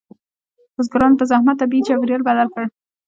بزګرانو په زحمت طبیعي چاپیریال بدل کړ.